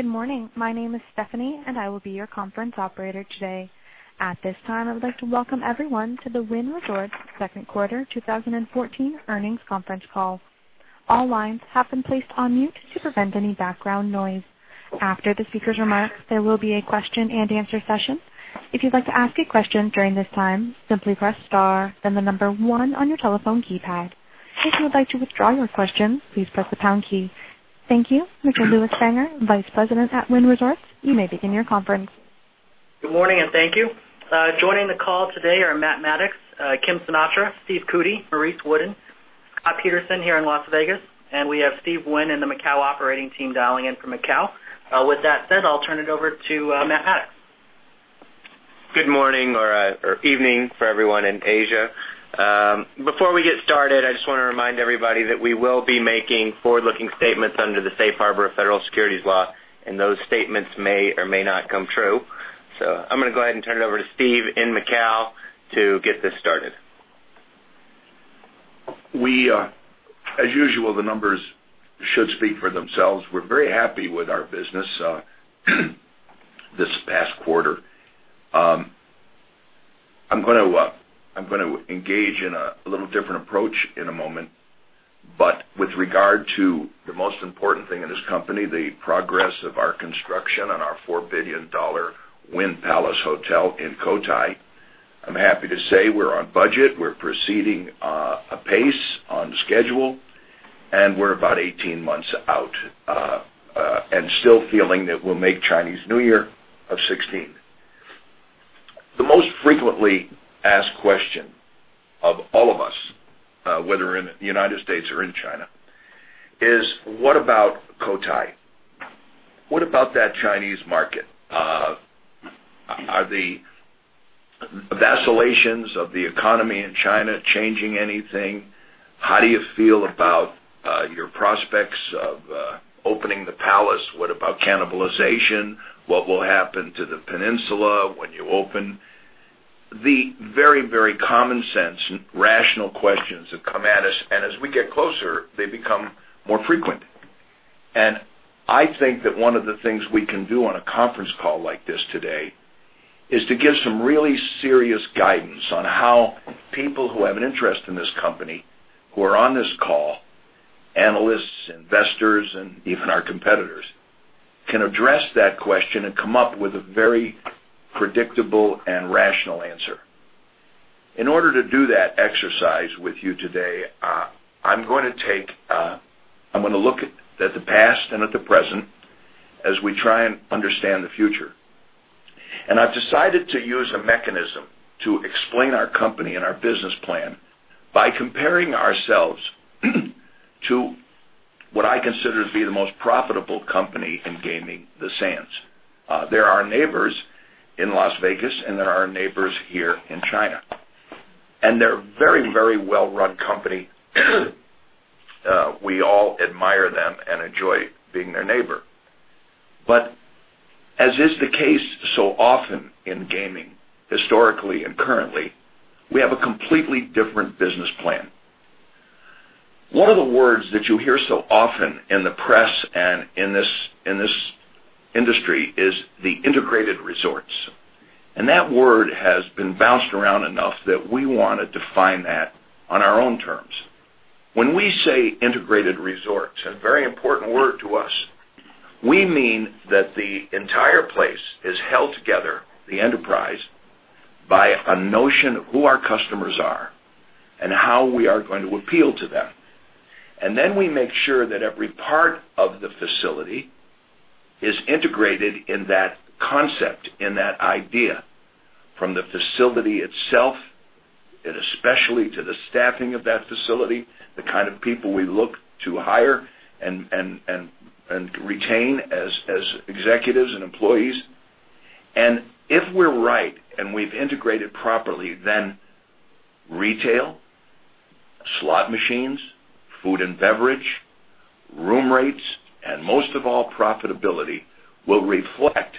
Good morning. My name is Stephanie, and I will be your conference operator today. At this time, I would like to welcome everyone to the Wynn Resorts second quarter 2014 earnings conference call. All lines have been placed on mute to prevent any background noise. After the speakers' remarks, there will be a question-and-answer session. If you'd like to ask a question during this time, simply press star then the number 1 on your telephone keypad. If you would like to withdraw your question, please press the pound key. Thank you. Richard Lewistanger, Vice President at Wynn Resorts, you may begin your conference. Good morning. Thank you. Joining the call today are Matt Maddox, Kim Sinatra, Stephen Cootey, Maurice Wooden, Scott Peterson here in Las Vegas. We have Steve Wynn and the Macau operating team dialing in from Macau. That said, I'll turn it over to Matt Maddox. Good morning or evening for everyone in Asia. Before we get started, I just want to remind everybody that we will be making forward-looking statements under the safe harbor of federal securities law. Those statements may or may not come true. I'm going to go ahead and turn it over to Steve in Macau to get this started. As usual, the numbers should speak for themselves. We're very happy with our business this past quarter. I'm going to engage in a little different approach in a moment. With regard to the most important thing in this company, the progress of our construction on our $4 billion Wynn Palace Hotel in Cotai. I'm happy to say we're on budget. We're proceeding, pace, on schedule, and we're about 18 months out, and still feeling that we'll make Chinese New Year of 2016. The most frequently asked question of all of us, whether in the U.S. or in China, is what about Cotai? What about that Chinese market? Are the vacillations of the economy in China changing anything? How do you feel about your prospects of opening the Palace? What about cannibalization? What will happen to the Peninsula when you open? The very, very common sense, rational questions have come at us, and as we get closer, they become more frequent. I think that one of the things we can do on a conference call like this today is to give some really serious guidance on how people who have an interest in this company, who are on this call, analysts, investors, and even our competitors, can address that question and come up with a very predictable and rational answer. In order to do that exercise with you today, I'm going to look at the past and at the present as we try and understand the future. I've decided to use a mechanism to explain our company and our business plan by comparing ourselves to what I consider to be the most profitable company in gaming, the Sands. They're our neighbors in Las Vegas, and they're our neighbors here in China. They're a very, very well-run company. We all admire them and enjoy being their neighbor. As is the case so often in gaming, historically and currently, we have a completely different business plan. One of the words that you hear so often in the press and in this industry is the integrated resorts. That word has been bounced around enough that we want to define that on our own terms. When we say integrated resorts, a very important word to us, we mean that the entire place is held together, the enterprise, by a notion of who our customers are and how we are going to appeal to them. Then we make sure that every part of the facility is integrated in that concept, in that idea, from the facility itself, and especially to the staffing of that facility, the kind of people we look to hire and retain as executives and employees. If we're right and we've integrated properly, then retail, slot machines, food and beverage, room rates, and most of all, profitability, will reflect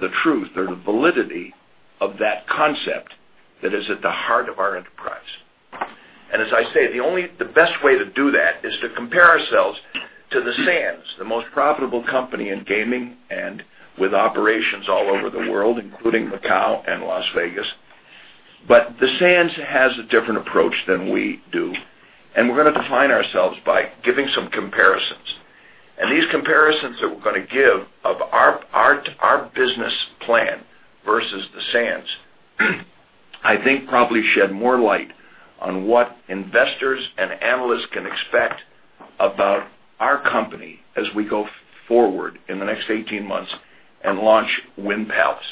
the truth or the validity of that concept that is at the heart of our enterprise. As I say, the best way to do that is to compare ourselves to the Sands, the most profitable company in gaming and with operations all over the world, including Macau and Las Vegas. The Sands has a different approach than we do, and we're going to define ourselves by giving some comparisons. These comparisons that we're going to give of our business plan versus the Sands, I think probably shed more light on what investors and analysts can expect about our company as we go forward in the next 18 months and launch Wynn Palace.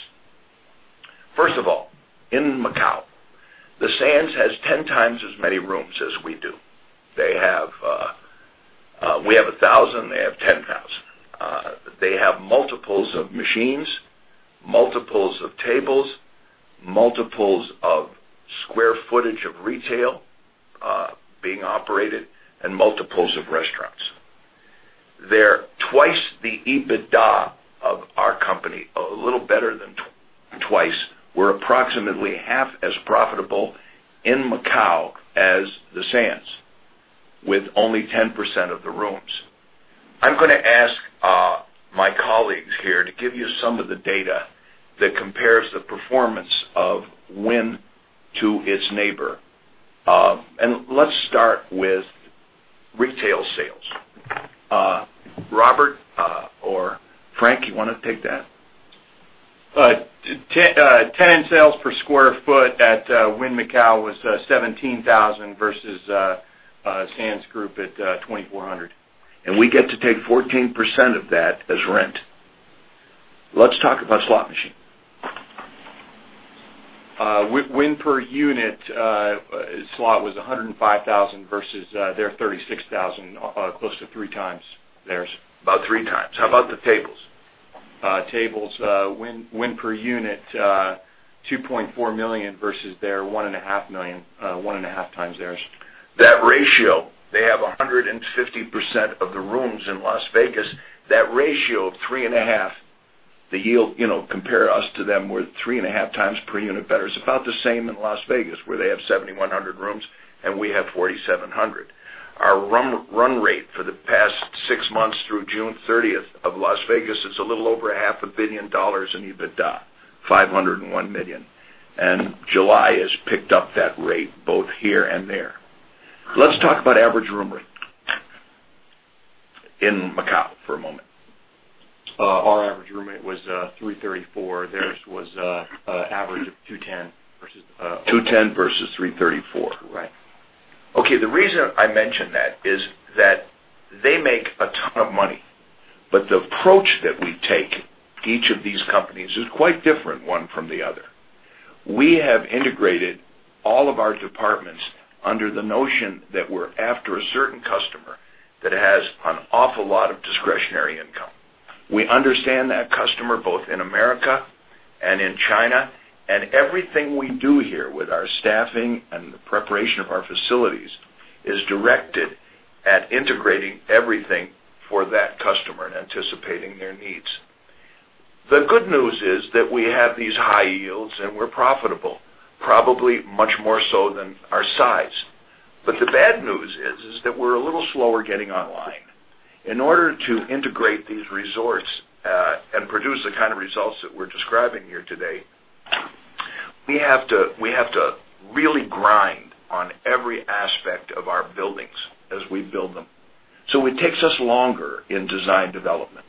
First of all, in Macau, the Sands has 10 times as many rooms as we do. We have 1,000. They have 10,000. They have multiples of machines, multiples of tables, multiples of square footage of retail being operated, and multiples of restaurants. They're twice the EBITDA of our company, a little better than twice. We're approximately half as profitable in Macau as the Sands. With only 10% of the rooms. I'm going to ask my colleagues here to give you some of the data that compares the performance of Wynn to its neighbor. Let's start with retail sales. Robert or Frank, you want to take that? Tenants sales per square foot at Wynn Macau was 17,000 versus Sands Group at 2,400. We get to take 14% of that as rent. Let's talk about slot machine. Wynn per unit slot was 105,000 versus their 36,000, close to three times theirs. About three times. How about the tables? Tables, Wynn per unit, $2.4 million versus their one and a half million, one and a half times theirs. That ratio, they have 150% of the rooms in Las Vegas. That ratio of three and a half, the yield, compare us to them, we're three and a half times per unit better. It's about the same in Las Vegas, where they have 7,100 rooms and we have 4,700. Our run rate for the past six months through June 30th of Las Vegas is a little over a half a billion dollars in EBITDA, $501 million. July has picked up that rate both here and there. Let's talk about average room rate in Macau for a moment. Our average room rate was $334. Theirs was average of $210 versus. 210 versus 334. Right. Okay. The reason I mention that is that they make a ton of money, the approach that we take, each of these companies, is quite different one from the other. We have integrated all of our departments under the notion that we're after a certain customer that has an awful lot of discretionary income. We understand that customer both in America and in China. Everything we do here with our staffing and the preparation of our facilities is directed at integrating everything for that customer and anticipating their needs. The good news is that we have these high yields, and we're profitable, probably much more so than our size. The bad news is that we're a little slower getting online. In order to integrate these resorts, produce the kind of results that we're describing here today, we have to really grind on every aspect of our buildings as we build them. It takes us longer in design development.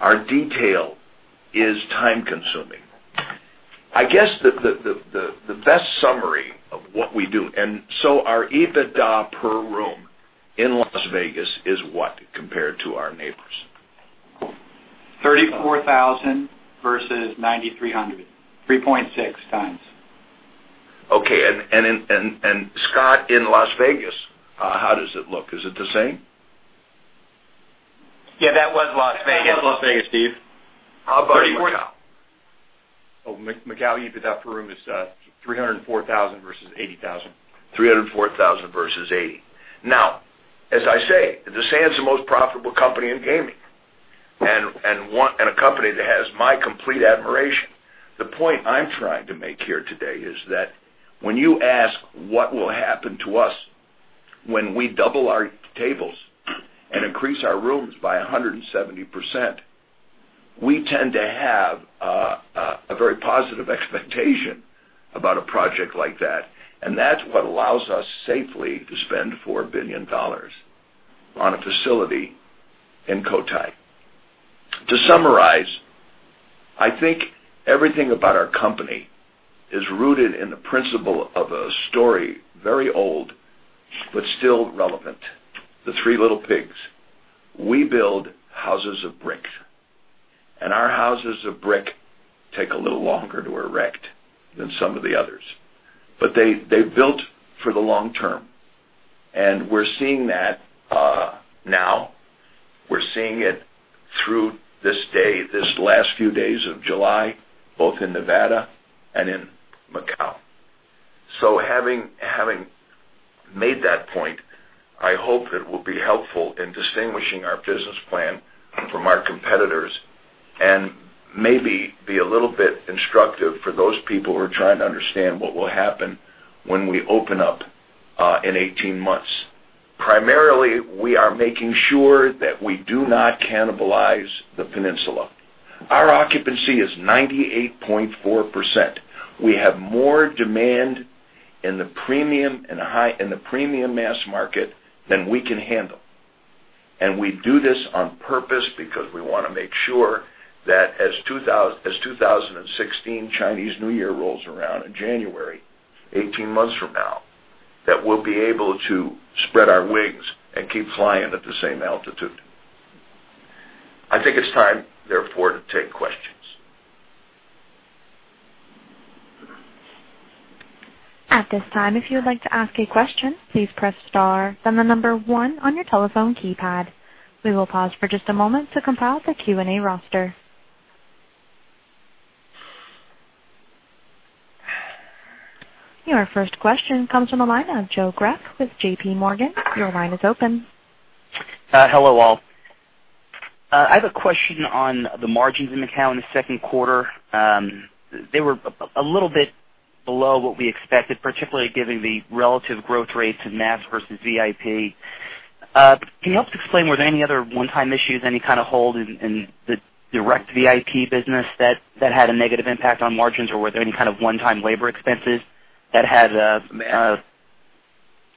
Our detail is time-consuming. I guess, the best summary of what we do. Our EBITDA per room in Las Vegas is what, compared to our neighbors? $34,000 versus $9,300, 3.6 times. Okay. Scott, in Las Vegas, how does it look? Is it the same? Yeah, that was Las Vegas. That was Las Vegas, Steve. How about in Macau? Macau EBITDA per room is $304,000 versus $80,000. $304,000 versus $80. As I say, the Sands is the most profitable company in gaming and a company that has my complete admiration. The point I'm trying to make here today is that when you ask what will happen to us when we double our tables and increase our rooms by 170%, we tend to have a very positive expectation about a project like that, and that's what allows us safely to spend $4 billion on a facility in Cotai. To summarize, I think everything about our company is rooted in the principle of a story, very old, but still relevant, "The Three Little Pigs." We build houses of brick, Our houses of brick take a little longer to erect than some of the others. They're built for the long term, and we're seeing that now. We're seeing it through this day, these last few days of July, both in Nevada and in Macau. Having made that point, I hope it will be helpful in distinguishing our business plan from our competitors and maybe be a little bit instructive for those people who are trying to understand what will happen when we open up in 18 months. Primarily, we are making sure that we do not cannibalize the Peninsula. Our occupancy is 98.4%. We have more demand in the premium and the premium mass market than we can handle. We do this on purpose because we want to make sure that as 2016 Chinese New Year rolls around in January, 18 months from now, that we'll be able to spread our wings and keep flying at the same altitude. I think it's time, therefore, to take questions. At this time, if you would like to ask a question, please press star then the number one on your telephone keypad. We will pause for just a moment to compile the Q&A roster. Your first question comes from the line of Joseph Greff with J.P. Morgan. Your line is open. Hello, all I have a question on the margins in Macau in the second quarter. They were a little bit below what we expected, particularly given the relative growth rates of mass versus VIP. Can you help explain, were there any other one-time issues, any kind of hold in the direct VIP business that had a negative impact on margins? Were there any kind of one-time labor expenses that had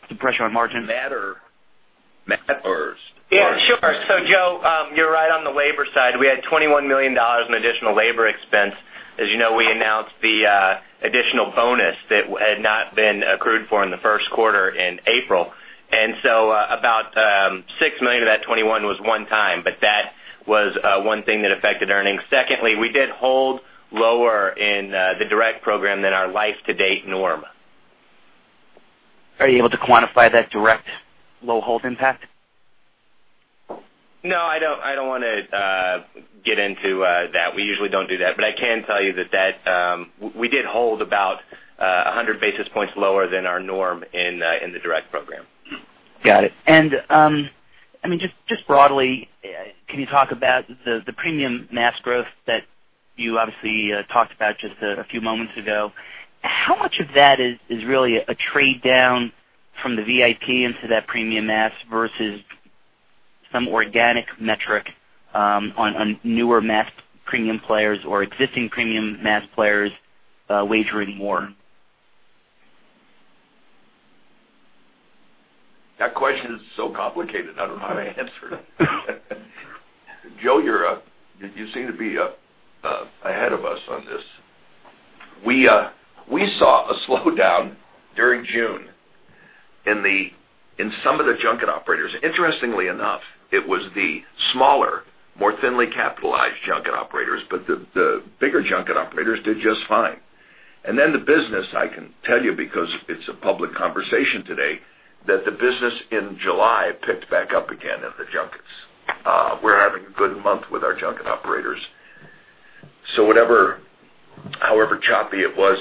some pressure on margins? Matt or? Yeah, sure. Joe, you're right on the labor side, we had $21 million in additional labor expense. As you know, we announced the additional bonus that had not been accrued for in the first quarter in April. About $6 million of that 21 was one time, that was one thing that affected earnings. Secondly, we did hold lower in the direct program than our life to date norm. Are you able to quantify that direct low hold impact? No, I don't want to get into that. We usually don't do that. I can tell you that we did hold about 100 basis points lower than our norm in the direct program. Got it. Just broadly, can you talk about the premium mass growth that you obviously talked about just a few moments ago? How much of that is really a trade-down from the VIP into that premium mass versus some organic metric, on newer mass premium players or existing premium mass players wagering more? That question is so complicated, I don't know how to answer it. Joe, you seem to be ahead of us on this. We saw a slowdown during June in some of the junket operators. Interestingly enough, it was the smaller, more thinly capitalized junket operators, the bigger junket operators did just fine. The business, I can tell you, because it's a public conversation today, that the business in July picked back up again in the junkets. We're having a good month with our junket operators. However choppy it was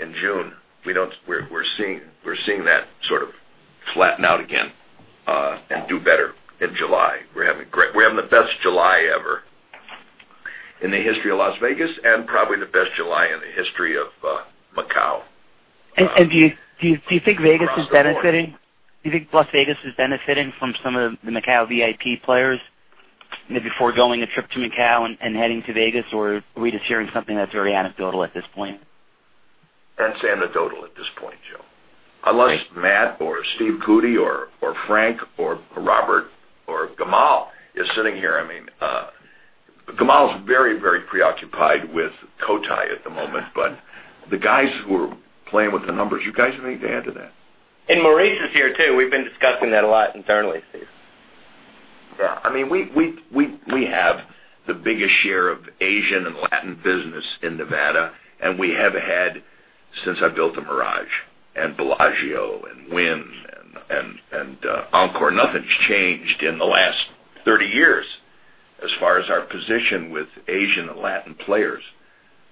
in June, we're seeing that sort of flatten out again, and do better in July. We're having the best July ever in the history of Las Vegas, and probably the best July in the history of Macau. Do you think Vegas is benefiting from some of the Macau VIP players maybe foregoing a trip to Macau and heading to Vegas, or are we just hearing something that's very anecdotal at this point? That's anecdotal at this point, Joe. Unless Matt or Steve Cootey or Frank or Robert or Gamal is sitting here. Gamal is very preoccupied with Cotai at the moment, but the guys who are playing with the numbers, you guys anything to add to that? Maurice is here too. We've been discussing that a lot internally, Steve. Yeah. We have the biggest share of Asian and Latin business in Nevada, and we have had since I built The Mirage and Bellagio and Wynn and Encore. Nothing's changed in the last 30 years as far as our position with Asian and Latin players.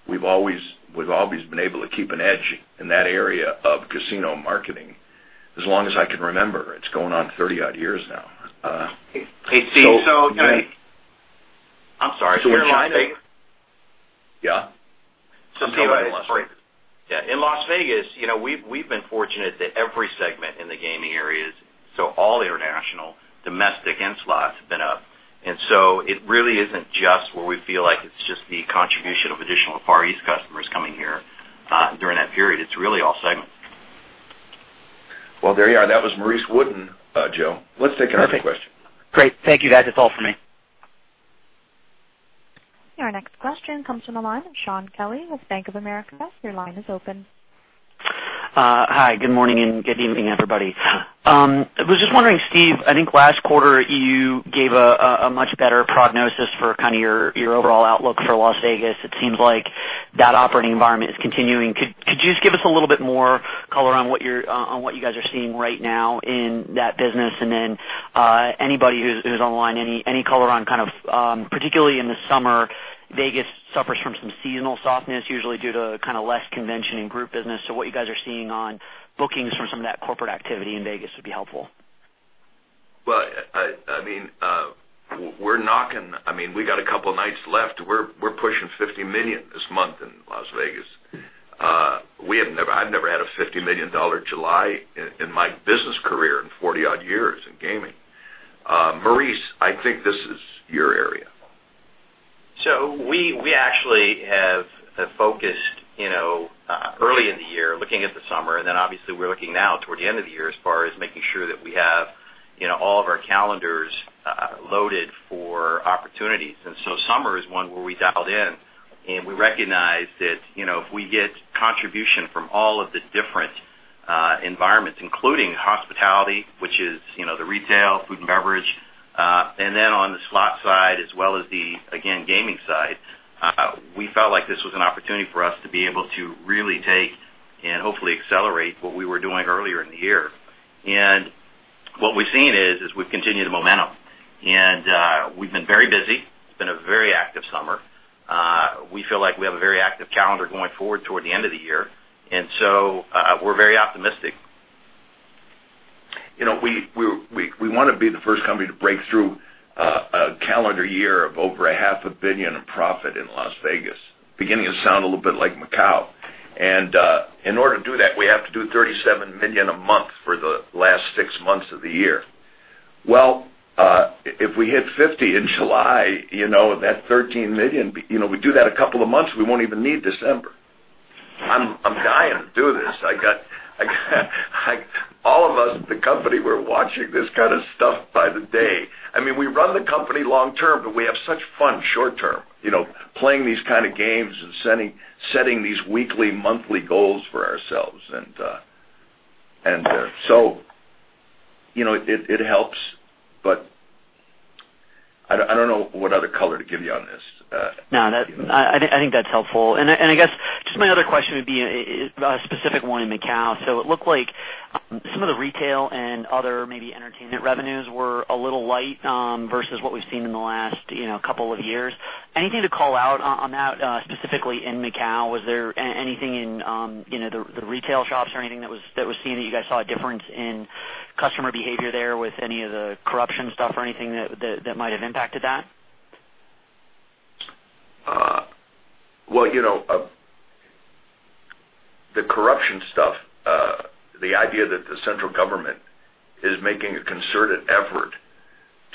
We've always been able to keep an edge in that area of casino marketing as long as I can remember. It's going on 30-odd years now. Hey, Steve. I'm sorry. Yeah. Steve, in Las Vegas, we've been fortunate that every segment in the gaming area is, all international, domestic, and slots have been up. It really isn't just where we feel like it's just the contribution of additional Far East customers coming here during that period. It's really all segments. There you are. That was Maurice Wooden, Joe. Let's take another question. Perfect. Great. Thank you, guys. That's all for me. Your next question comes from the line of Shaun Kelley with Bank of America. Your line is open. Hi, good morning and good evening, everybody. I was just wondering, Steve, I think last quarter you gave a much better prognosis for your overall outlook for Las Vegas. It seems like that operating environment is continuing. Could you just give us a little bit more color on what you guys are seeing right now in that business? Then, anybody who's online, any color on kind of, particularly in the summer, Vegas suffers from some seasonal softness, usually due to kind of less convention in group business. What you guys are seeing on bookings from some of that corporate activity in Vegas would be helpful. We've got a couple of nights left. We're pushing $50 million this month in Las Vegas. I've never had a $50 million July in my business career in 40-odd years in gaming. Maurice, I think this is your area. We actually have focused early in the year looking at the summer, then obviously we're looking now toward the end of the year as far as making sure that we have all of our calendars loaded for opportunities. Summer is one where we dialed in and we recognized that if we get contribution from all of the different environments, including hospitality, which is the retail, food and beverage, then on the slot side as well as the, again, gaming side, we felt like this was an opportunity for us to be able to really take and hopefully accelerate what we were doing earlier in the year. What we've seen is we've continued the momentum. We've been very busy. It's been a very active We feel like we have a very active calendar going forward toward the end of the year. We're very optimistic. We want to be the first company to break through a calendar year of over a half a billion in profit in Las Vegas. Beginning to sound a little bit like Macau. In order to do that, we have to do $37 million a month for the last six months of the year. Well, if we hit 50 in July, that $13 million, we do that a couple of months, we won't even need December. I'm dying to do this. All of us, the company, we're watching this kind of stuff by the day. We run the company long-term, but we have such fun short-term, playing these kind of games and setting these weekly, monthly goals for ourselves. It helps, but I don't know what other color to give you on this. No, I think that's helpful. I guess just my other question would be a specific one in Macau. It looked like some of the retail and other maybe entertainment revenues were a little light, versus what we've seen in the last couple of years. Anything to call out on that, specifically in Macau? Was there anything in the retail shops or anything that was seen, that you guys saw a difference in customer behavior there with any of the corruption stuff or anything that might have impacted that? Well, the corruption stuff, the idea that the central government is making a concerted effort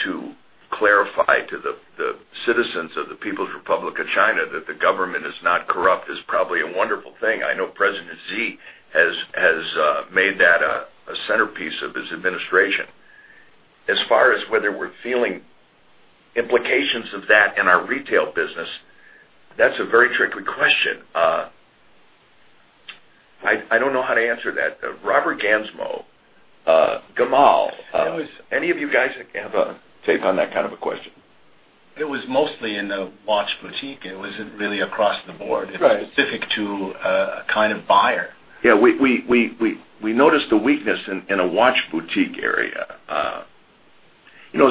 to clarify to the citizens of the People's Republic of China that the government is not corrupt, is probably a wonderful thing. I know Xi Jinping has made that a centerpiece of his administration. As far as whether we're feeling implications of that in our retail business, that's a very tricky question. I don't know how to answer that. Robert Gansmo, Gamal, any of you guys have a take on that kind of a question? It was mostly in the watch boutique. It wasn't really across the board. Right. It's specific to a kind of buyer. Yeah. We noticed a weakness in a watch boutique area.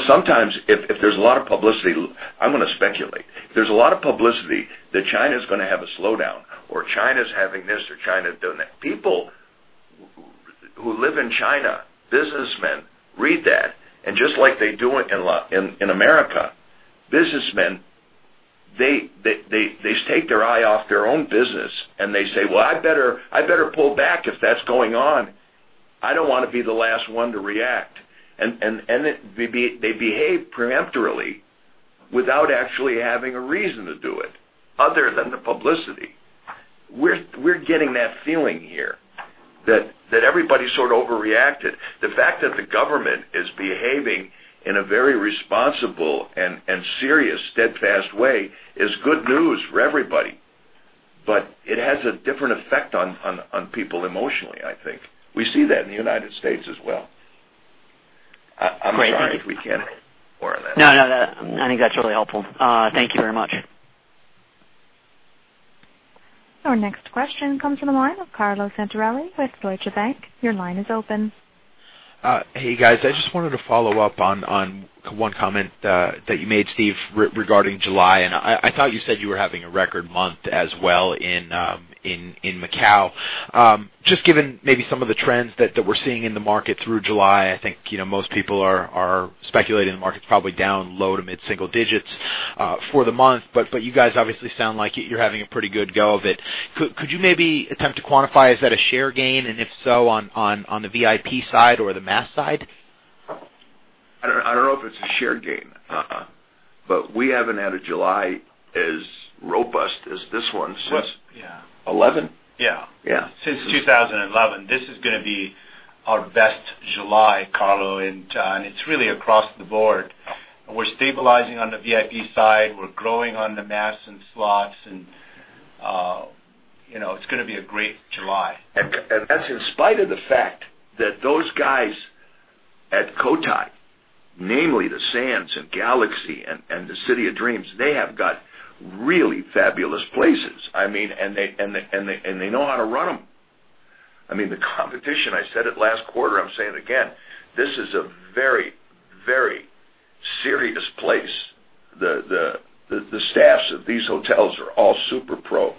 Sometimes, if there's a lot of publicity. I'm going to speculate. If there's a lot of publicity that China's going to have a slowdown or China's having this or China is doing that, people who live in China, businessmen read that, and just like they do in America, businessmen, they take their eye off their own business and they say, "Well, I better pull back if that's going on. I don't want to be the last one to react." They behave preemptively without actually having a reason to do it other than the publicity. We're getting that feeling here that everybody sort of overreacted. The fact that the government is behaving in a very responsible and serious, steadfast way is good news for everybody, it has a different effect on people emotionally, I think. We see that in the United States as well. I'm sorry if we can't more on that. No, I think that's really helpful. Thank you very much. Our next question comes from the line of Carlo Santarelli with Deutsche Bank. Your line is open. Hey, guys. I just wanted to follow up on one comment that you made, Steve, regarding July. I thought you said you were having a record month as well in Macau. Just given maybe some of the trends that we're seeing in the market through July, I think most people are speculating the market's probably down low to mid-single digits for the month. You guys obviously sound like you're having a pretty good go of it. Could you maybe attempt to quantify, is that a share gain? If so, on the VIP side or the mass side? I don't know if it's a share gain. We haven't had a July as robust as this one since- Yeah. '11. Yeah. Yeah. Since 2011. This is going to be our best July, Carlo. It's really across the board. We're stabilizing on the VIP side. We're growing on the mass and slots. It's going to be a great July. That's in spite of the fact that those guys at Cotai, namely the Sands and Galaxy and the City of Dreams, they have got really fabulous places. They know how to run them. The competition, I said it last quarter, I'm saying it again, this is a very, very serious place. The staffs at these hotels are all super pro.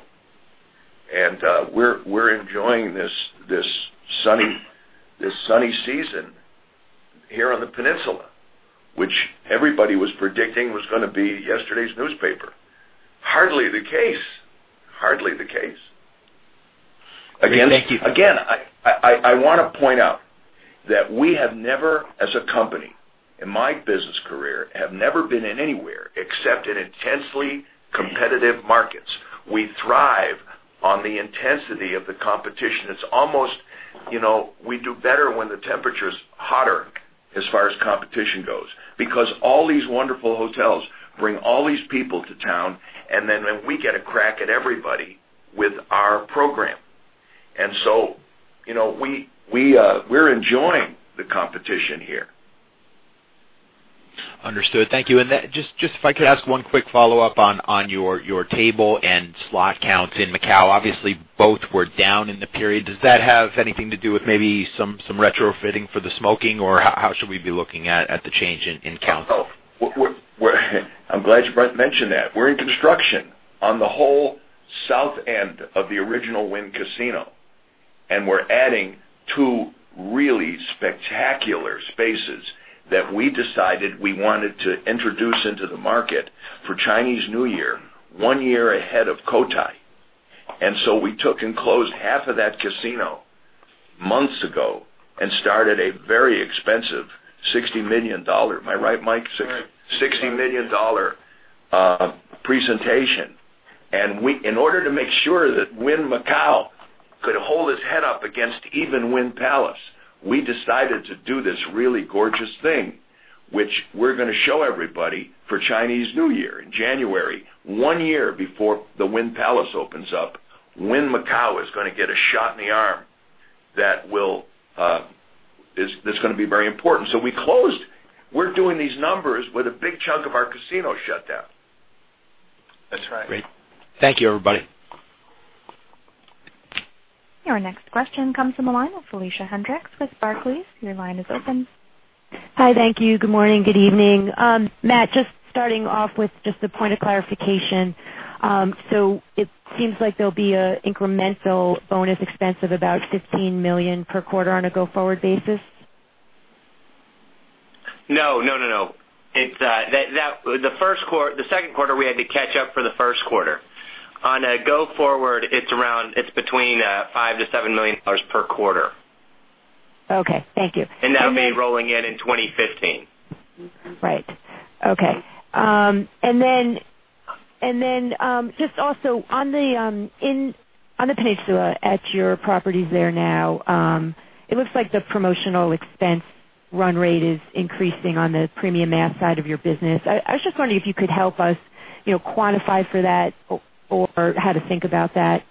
We're enjoying this sunny season here on the Peninsula, which everybody was predicting was going to be yesterday's newspaper. Hardly the case. Thank you. I want to point out that we have never, as a company, in my business career, have never been in anywhere except in intensely competitive markets. We thrive on the intensity of the competition. It's almost we do better when the temperature's hotter, as far as competition goes, because all these wonderful hotels bring all these people to town, then we get a crack at everybody with our program. We're enjoying the competition here. Understood. Thank you. Just, if I could ask one quick follow-up on your table and slot counts in Macau. Obviously, both were down in the period. Does that have anything to do with maybe some retrofitting for the smoking? Or how should we be looking at the change in count? I'm glad you mentioned that. We're in construction on the whole south end of the original Wynn casino. We're adding two really spectacular spaces that we decided we wanted to introduce into the market for Chinese New Year, one year ahead of Cotai. We took and closed half of that casino months ago and started a very expensive $60 million. Am I right, Mike? Right. $60 million presentation. In order to make sure that Wynn Macau could hold its head up against even Wynn Palace, we decided to do this really gorgeous thing, which we're going to show everybody for Chinese New Year in January. One year before the Wynn Palace opens up, Wynn Macau is going to get a shot in the arm that's going to be very important. We closed. We're doing these numbers with a big chunk of our casino shut down. That's right. Great. Thank you, everybody. Your next question comes from the line of Felicia Hendrix with Barclays. Your line is open. Hi. Thank you. Good morning. Good evening. Matt, just starting off with just a point of clarification. It seems like there'll be an incremental bonus expense of about $15 million per quarter on a go-forward basis? No. The second quarter, we had to catch up for the first quarter. On a go forward, it's between $5 million-$7 million per quarter. Okay. Thank you. That'll be rolling in in 2015. Right. Okay. Just also on the peninsula at your properties there now, it looks like the promotional expense run rate is increasing on the premium mass side of your business. I was just wondering if you could help us quantify for that or how to think about that.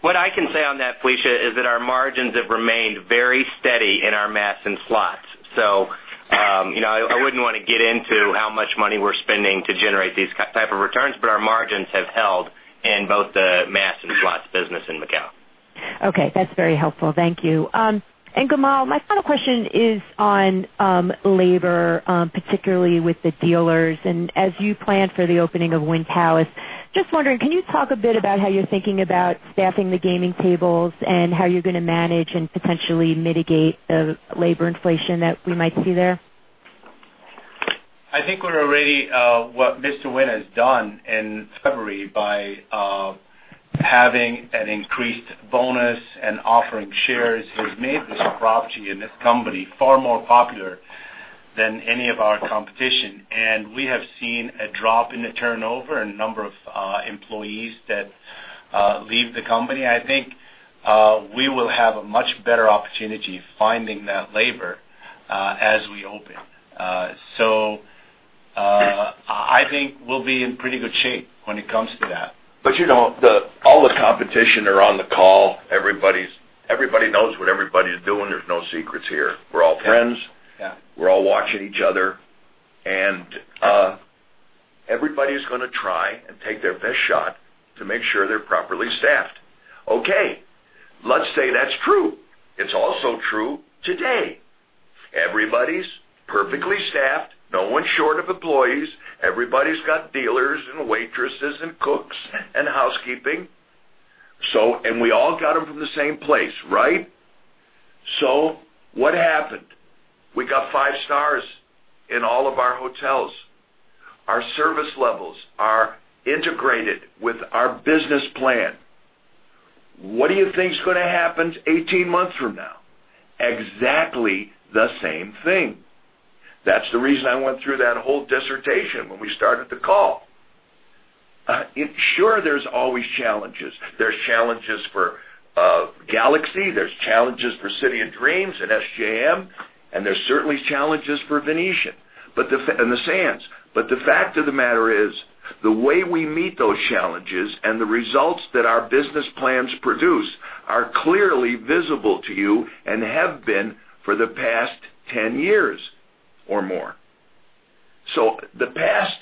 What I can say on that, Felicia Hendrix, is that our margins have remained very steady in our mass and slots. I wouldn't want to get into how much money we're spending to generate these type of returns, but our margins have held in both the mass and slots business in Macau. Okay. That's very helpful. Thank you. Gamal, my final question is on labor, particularly with the dealers. As you plan for the opening of Wynn Palace, just wondering, can you talk a bit about how you're thinking about staffing the gaming tables and how you're going to manage and potentially mitigate the labor inflation that we might see there? I think what Mr. Wynn has done in February by having an increased bonus and offering shares, he's made this property and this company far more popular than any of our competition. We have seen a drop in the turnover and number of employees that leave the company. I think we will have a much better opportunity finding that labor, as we open. I think we'll be in pretty good shape when it comes to that. All the competition are on the call. Everybody knows what everybody's doing. There's no secrets here. We're all friends. Yeah. We're all watching each other, and everybody's going to try and take their best shot to make sure they're properly staffed. Okay. Let's say that's true. It's also true today. Everybody's perfectly staffed. No one's short of employees. Everybody's got dealers and waitresses and cooks and housekeeping. We all got them from the same place, right? What happened? We got five stars in all of our hotels. Our service levels are integrated with our business plan. What do you think is going to happen 18 months from now? Exactly the same thing. That's the reason I went through that whole dissertation when we started the call. Sure, there's always challenges. There's challenges for Galaxy, there's challenges for City of Dreams and SJM, and there's certainly challenges for Venetian and the Sands. The fact of the matter is, the way we meet those challenges and the results that our business plans produce are clearly visible to you and have been for the past 10 years or more. The past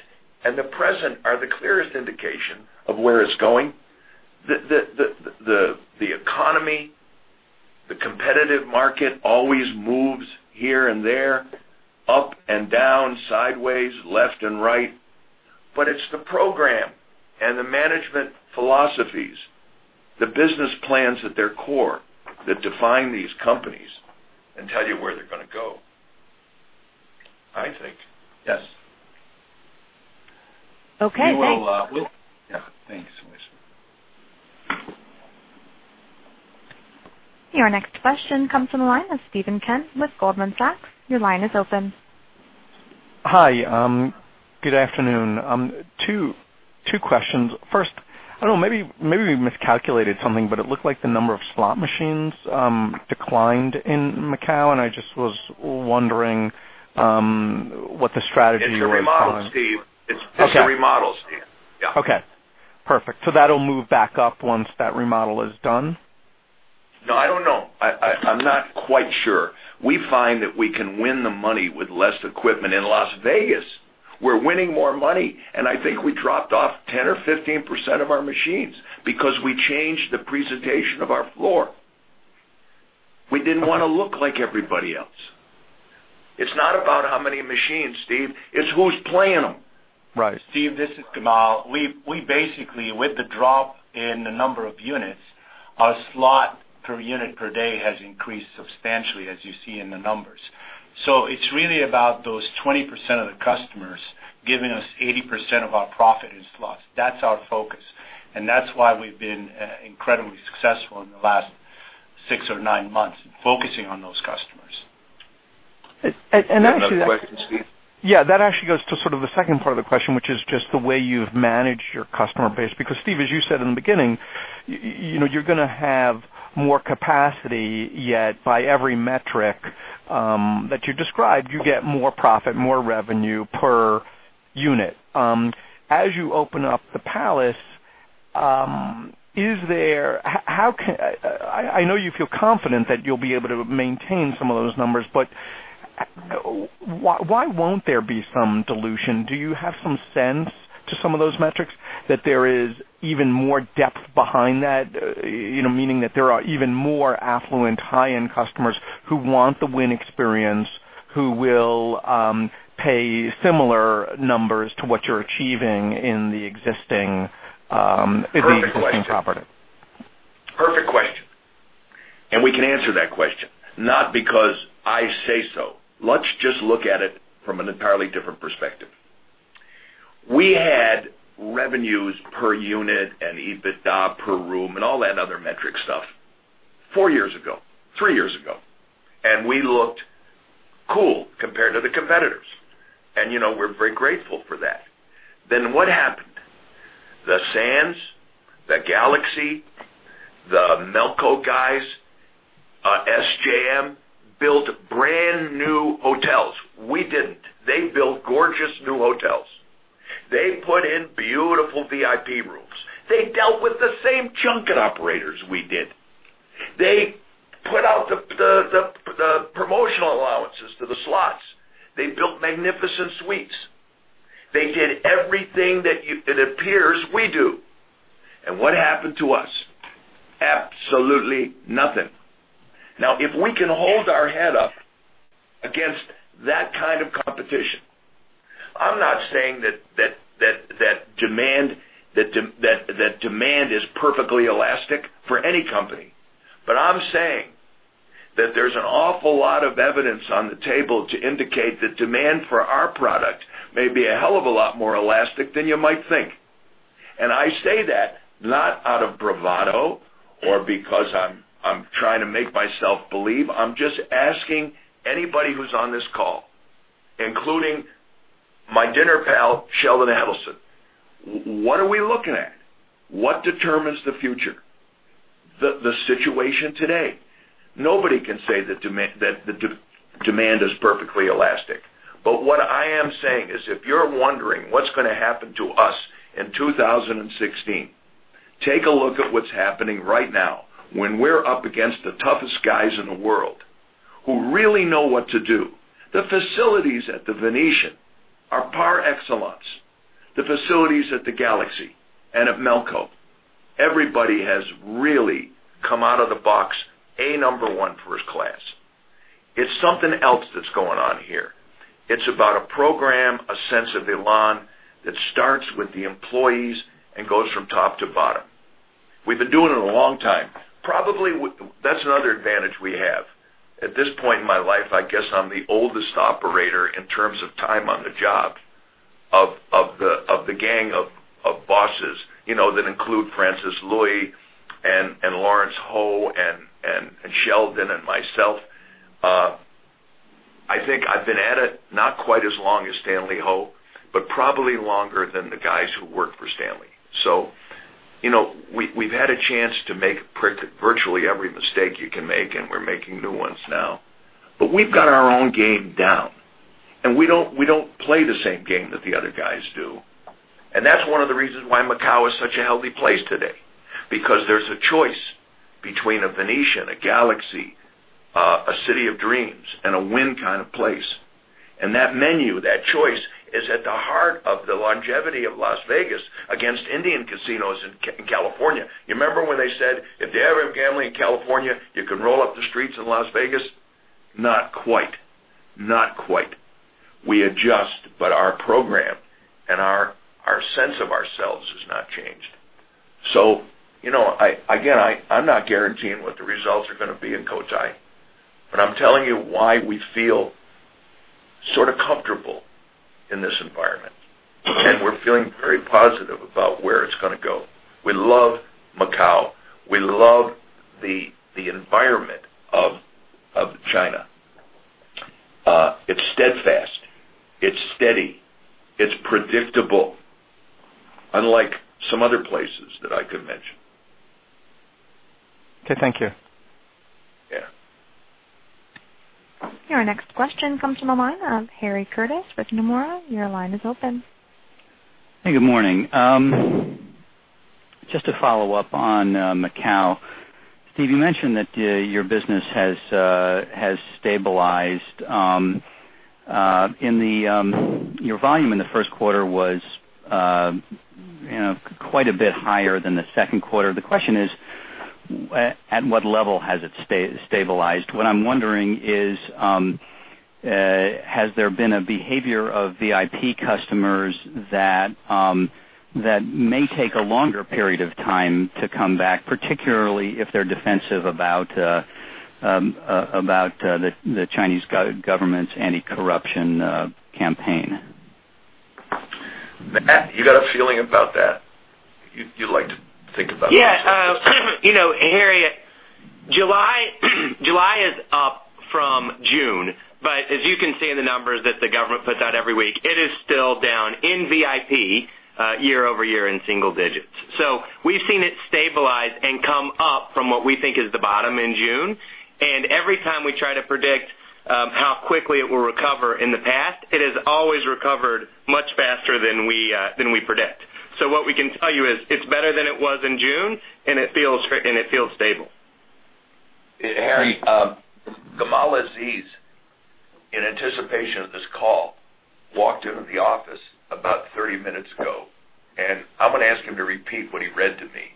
and the present are the clearest indication of where it's going. The economy, the competitive market always moves here and there, up and down, sideways, left and right. It's the program and the management philosophies, the business plans at their core, that define these companies and tell you where they're going to go, I think. Yes. Okay. Thanks. Yeah. Thanks, Felicia. Your next question comes from the line of Steven Kent with Goldman Sachs. Your line is open. Hi. Good afternoon. Two questions. First, I don't know, maybe we miscalculated something, but it looked like the number of slot machines declined in Macau, I just was wondering what the strategy was behind- It's a remodel, Steve. Okay. It's a remodel, Steve. Yeah. Okay. Perfect. That'll move back up once that remodel is done? No, I don't know. I'm not quite sure. We find that we can win the money with less equipment. In Las Vegas, we're winning more money, and I think I dropped off 10% or 15% of our machines because we changed the presentation of our floor. We didn't want to look like everybody else. It's not about how many machines, Steve, it's who's playing them. Right. Steve, this is Gamal. We basically, with the drop in the number of units, our slot per unit per day has increased substantially, as you see in the numbers. It's really about those 20% of the customers giving us 80% of our profit in slots. That's our focus, and that's why we've been incredibly successful in the last six or nine months, focusing on those customers. And actually- You have another question, Steve? Yeah, that actually goes to the second part of the question, which is just the way you've managed your customer base. Steve Wynn, as you said in the beginning, you're going to have more capacity, yet by every metric that you described, you get more profit, more revenue per unit. As you open up the Wynn Palace, I know you feel confident that you'll be able to maintain some of those numbers, why won't there be some dilution? Do you have some sense to some of those metrics that there is even more depth behind that, meaning that there are even more affluent high-end customers who want the Wynn experience, who will pay similar numbers to what you're achieving in the existing property? Perfect question. We can answer that question, not because I say so. Let's just look at it from an entirely different perspective. We had revenues per unit and EBITDA per room and all that other metric stuff four years ago, three years ago, we looked cool compared to the competitors. We're very grateful for that. What happened? The Las Vegas Sands, the Galaxy, the Melco guys, SJM, built brand new hotels. We didn't. They built gorgeous new hotels. They put in beautiful VIP rooms. They dealt with the same junket operators we did. They put out the promotional allowances to the slots. They built magnificent suites. They did everything that it appears we do. What happened to us? Absolutely nothing. If we can hold our head up against that kind of competition, I'm not saying that demand is perfectly elastic for any company, I'm saying that there's an awful lot of evidence on the table to indicate that demand for our product may be a hell of a lot more elastic than you might think. I say that not out of bravado or because I'm trying to make myself believe. I'm just asking anybody who's on this call, including my dinner pal, Sheldon Adelson. What are we looking at? What determines the future? The situation today. Nobody can say that demand is perfectly elastic. What I am saying is, if you're wondering what's going to happen to us in 2016, take a look at what's happening right now when we're up against the toughest guys in the world who really know what to do. The facilities at The Venetian Macao are par excellence. The facilities at the Galaxy and at Melco. Everybody has really come out of the box A number one, first class. It's something else that's going on here. It's about a program, a sense of elan that starts with the employees and goes from top to bottom. We've been doing it a long time. That's another advantage we have. At this point in my life, I guess I'm the oldest operator in terms of time on the job of the gang of bosses that include Francis Lui and Lawrence Ho and Sheldon Adelson and myself. I think I've been at it not quite as long as Stanley Ho, probably longer than the guys who work for Stanley. We've had a chance to make virtually every mistake you can make, we're making new ones now. We've got our own game down, we don't play the same game that the other guys do. That's one of the reasons why Macau is such a healthy place today, because there's a choice between a Venetian, a Galaxy, a City of Dreams, and a Wynn kind of place. That menu, that choice, is at the heart of the longevity of Las Vegas against Indian casinos in California. You remember when they said, "If they ever have gambling in California, you can roll up the streets in Las Vegas?" Not quite. We adjust, but our program and our sense of ourselves has not changed. Again, I'm not guaranteeing what the results are going to be in Cotai, but I'm telling you why we feel sort of comfortable in this environment. We're feeling very positive about where it's going to go. We love Macau. We love the environment of China. It's steadfast, it's steady. It's predictable, unlike some other places that I could mention. Thank you. Yeah. Your next question comes from the line of Harry Curtis with Nomura. Your line is open. Hey, good morning. Just to follow up on Macau. Steve, you mentioned that your business has stabilized Your volume in the first quarter was quite a bit higher than the second quarter. The question is, at what level has it stabilized? What I'm wondering is, has there been a behavior of VIP customers that may take a longer period of time to come back, particularly if they're defensive about the Chinese government's anti-corruption campaign? Matt, you got a feeling about that? You like to think about those things. Yeah. Harry, July is up from June. As you can see in the numbers that the government puts out every week, it is still down in VIP year-over-year in single digits. We've seen it stabilize and come up from what we think is the bottom in June. Every time we try to predict how quickly it will recover in the past, it has always recovered much faster than we predict. What we can tell you is, it's better than it was in June, and it feels stable. Harry, Gamal Aziz, in anticipation of this call, walked into the office about 30 minutes ago. I'm going to ask him to repeat what he read to me.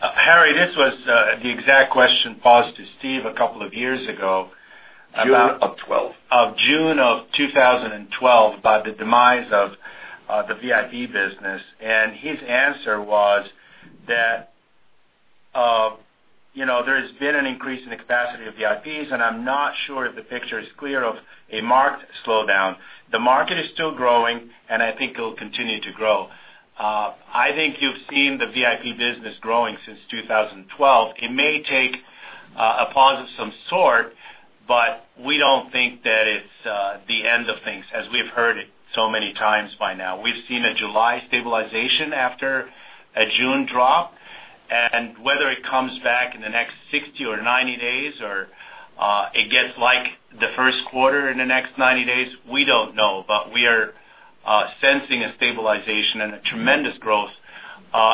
Harry, this was the exact question posed to Steve two years ago about- June of 2012. Of June of 2012 about the demise of the VIP business. His answer was that there's been an increase in the capacity of VIPs. I'm not sure if the picture is clear of a marked slowdown. The market is still growing. I think it'll continue to grow. I think you've seen the VIP business growing since 2012. It may take a pause of some sort. We don't think that it's the end of things, as we've heard it so many times by now. We've seen a July stabilization after a June drop. Whether it comes back in the next 60 or 90 days or it gets like the first quarter in the next 90 days, we don't know. We are sensing a stabilization and a tremendous growth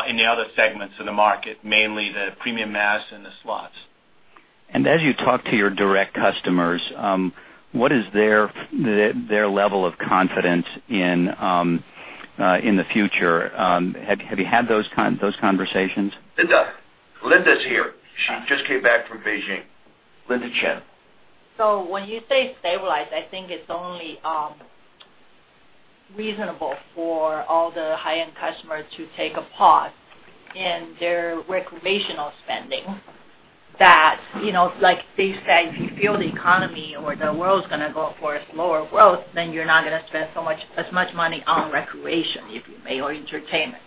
in the other segments of the market, mainly the premium mass and the slots. As you talk to your direct customers, what is their level of confidence in the future? Have you had those conversations? Linda. Linda's here. She just came back from Beijing. Linda Chen. When you say stabilized, I think it's only reasonable for all the high-end customers to take a pause in their recreational spending that, like Steve said, if you feel the economy or the world's going to go for a slower growth, then you're not going to spend as much money on recreation, if you may, or entertainment.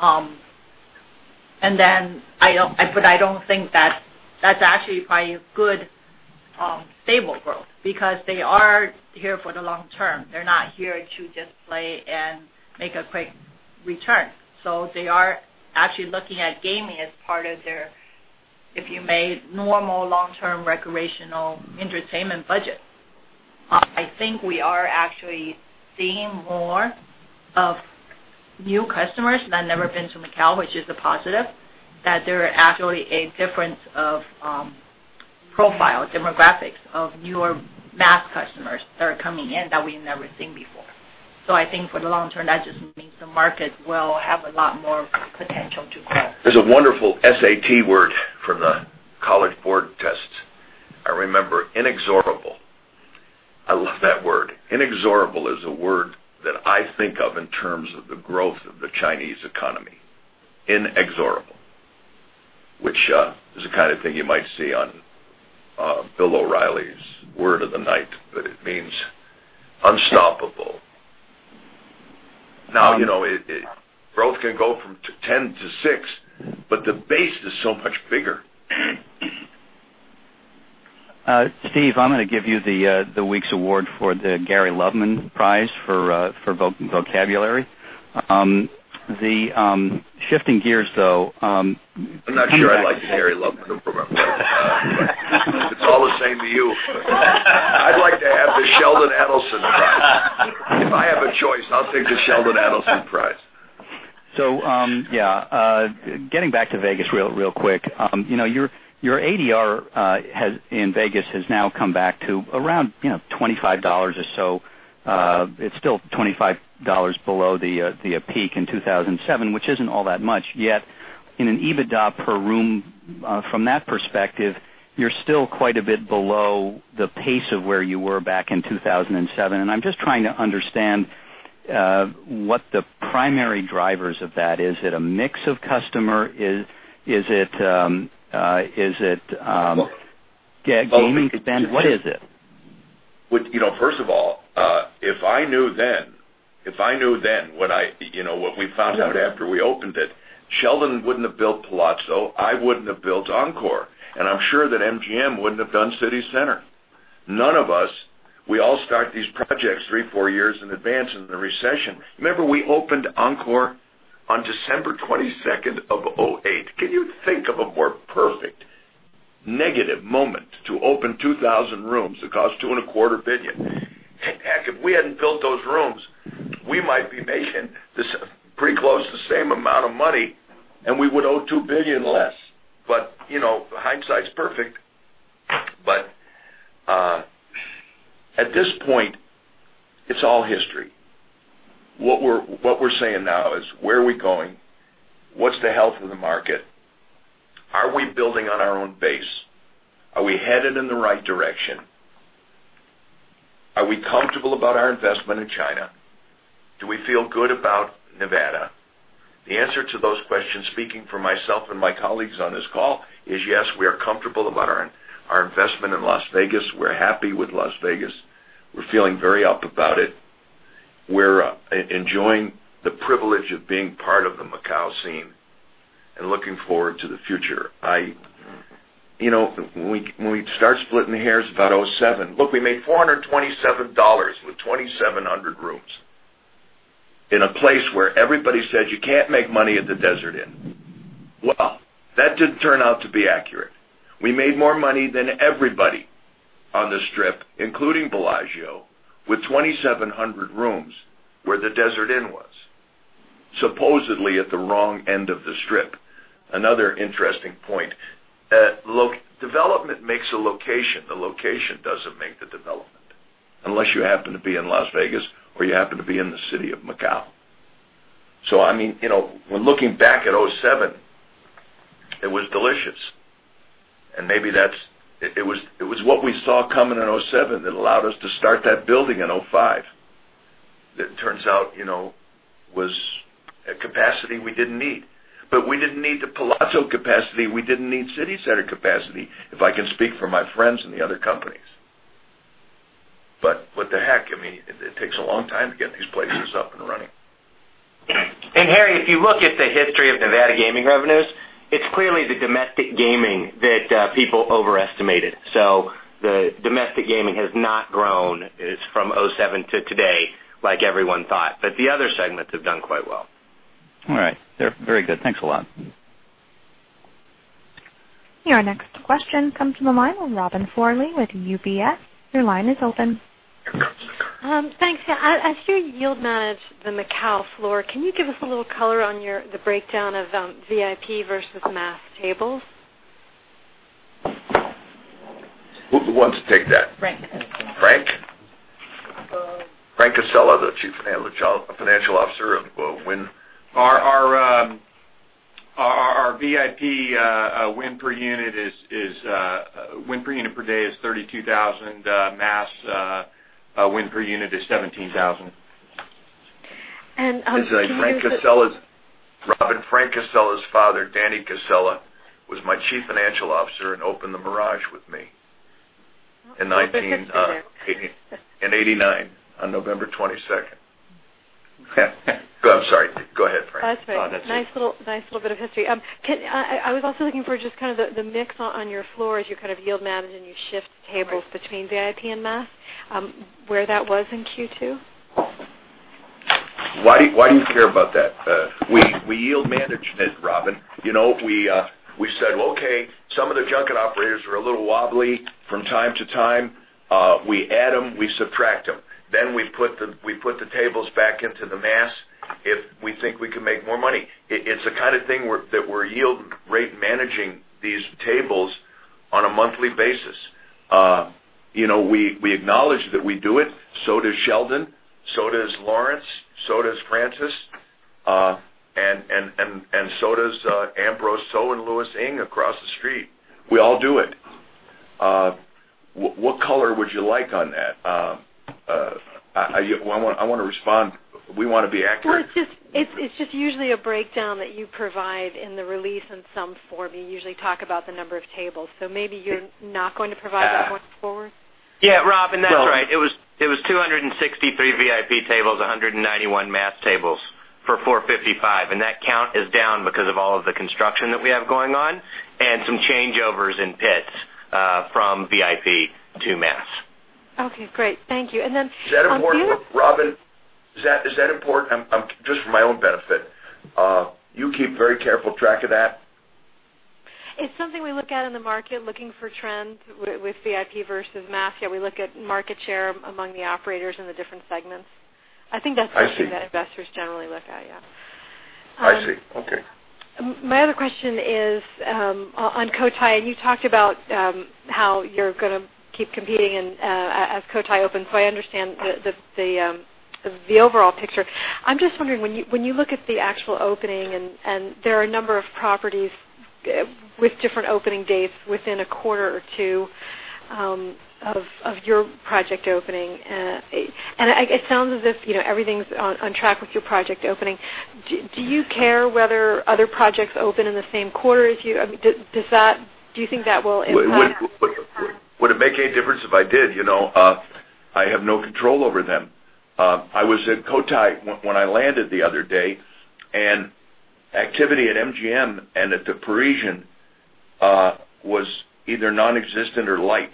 I don't think that's actually probably a good, stable growth because they are here for the long term. They're not here to just play and make a quick return. They are actually looking at gaming as part of their, if you may, normal long-term recreational entertainment budget. I think we are actually seeing more of new customers that never been to Macau, which is a positive, that there are actually a difference of profile, demographics of newer mass customers that are coming in that we've never seen before. I think for the long term, that just means the market will have a lot more potential to grow. There's a wonderful SAT word from the College Board tests. I remember inexorable. I love that word. Inexorable is a word that I think of in terms of the growth of the Chinese economy. Inexorable, which is the kind of thing you might see on Bill O'Reilly's word of the night, but it means unstoppable. Growth can go from 10 to six, but the base is so much bigger. Steve, I'm going to give you the week's award for the Gary Loveman Prize for Vocabulary. Shifting gears, though. I'm not sure I'd like the Gary Loveman. It's all the same to you. I'd like to have the Sheldon Adelson Prize. If I have a choice, I'll take the Sheldon Adelson Prize. Yeah. Getting back to Vegas real quick. Your ADR in Vegas has now come back to around $25 or so. It's still $25 below the peak in 2007, which isn't all that much. Yet, in an EBITDA per room, from that perspective, you're still quite a bit below the pace of where you were back in 2007. I'm just trying to understand what the primary drivers of that are. Is it a mix of customer? Is it gaming spend? What is it? First of all, if I knew then what we found out after we opened it, Sheldon wouldn't have built The Palazzo, I wouldn't have built Encore, and I'm sure that MGM wouldn't have done CityCenter. None of us. We all start these projects three, four years in advance in the recession. Remember, we opened Encore on December 22nd of 2008. Can you think of a more perfect negative moment to open 2,000 rooms that cost $2.25 billion? Heck, if we hadn't built those rooms, we might be making pretty close to the same amount of money, and we would owe $2 billion less. Hindsight's perfect. At this point, it's all history. What we're saying now is: Where are we going? What's the health of the market? Are we building on our own base? Are we headed in the right direction? Are we comfortable about our investment in China? Do we feel good about Nevada? The answer to those questions, speaking for myself and my colleagues on this call, is yes, we are comfortable about our investment in Las Vegas. We're happy with Las Vegas. We're feeling very up about it. We're enjoying the privilege of being part of the Macau scene and looking forward to the future. When we start splitting hairs about 2007. Look, we made $427 with 2,700 rooms in a place where everybody said you can't make money at the Desert Inn. That didn't turn out to be accurate. We made more money than everybody on the Strip, including Bellagio, with 2,700 rooms where the Desert Inn was, supposedly at the wrong end of the Strip. Another interesting point. Development makes a location. The location doesn't make the development, unless you happen to be in Las Vegas or you happen to be in the city of Macau. When looking back at 2007, it was delicious. It was what we saw coming in 2007 that allowed us to start that building in 2005 that turns out was a capacity we didn't need. We didn't need The Palazzo capacity. We didn't need CityCenter capacity, if I can speak for my friends in the other companies. What the heck? It takes a long time to get these places up and running. Harry, if you look at the history of Nevada gaming revenues, it's clearly the domestic gaming that people overestimated. The domestic gaming has not grown from 2007 to today like everyone thought. The other segments have done quite well. All right. Very good. Thanks a lot. Your next question comes from the line with Robin Farley with UBS. Your line is open. Thanks. As you yield manage the Macau floor, can you give us a little color on the breakdown of VIP versus mass tables? Who wants to take that? Frank can take that. Frank? Frank Casella, the Chief Financial Officer of Wynn. Our VIP win per unit per day is $32,000. Mass win per unit is $17,000. Can you give us? Robin, Frank Casella's father, Danny Casella, was my Chief Financial Officer and opened The Mirage with me in 19- Little bit of history there. in 1989, on November 22nd. Go ahead. I'm sorry. Go ahead, Frank. That's all right. No, that's it. Nice little bit of history. I was also looking for just the mix on your floor as you yield manage and you shift tables between VIP and mass, where that was in Q2? Why do you care about that? We yield managed it, Robin. We said, "Okay, some of the junket operators are a little wobbly from time to time." We add them, we subtract them. We put the tables back into the mass if we think we can make more money. It's the kind of thing that we're yield rate managing these tables on a monthly basis. We acknowledge that we do it. Does Sheldon, does Lawrence, does Francis, does Ambrose, So & Louis Ng across the street. We all do it. What color would you like on that? I want to respond. We want to be accurate. Well, it's just usually a breakdown that you provide in the release in some form. You usually talk about the number of tables, maybe you're not going to provide that going forward? Yeah, Robin. That's right. It was 263 VIP tables, 191 mass tables for 455, that count is down because of all of the construction that we have going on and some changeovers in pits from VIP to mass. Okay, great. Thank you. Robin, is that important? Just for my own benefit. You keep very careful track of that? It's something we look at in the market, looking for trends with VIP versus mass. Yeah, we look at market share among the operators in the different segments. I see. I think that's something that investors generally look at, yeah. I see. Okay. My other question is on Cotai. You talked about how you're going to keep competing as Cotai opens, I understand the overall picture. I'm just wondering, when you look at the actual opening, and there are a number of properties with different opening dates within a quarter or two of your project opening, and it sounds as if everything's on track with your project opening. Do you care whether other projects open in the same quarter as you? Do you think that will impact? Would it make any difference if I did? I have no control over them. I was at Cotai when I landed the other day, and activity at MGM and at the Parisian was either nonexistent or light